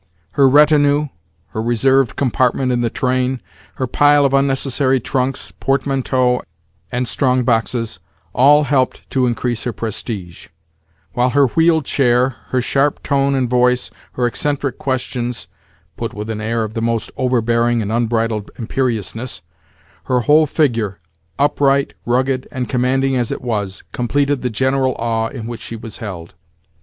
Her retinue, her reserved compartment in the train, her pile of unnecessary trunks, portmanteaux, and strong boxes, all helped to increase her prestige; while her wheeled chair, her sharp tone and voice, her eccentric questions (put with an air of the most overbearing and unbridled imperiousness), her whole figure—upright, rugged, and commanding as it was—completed the general awe in which she was held.